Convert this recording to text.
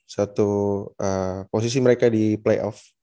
satu posisi mereka di playoff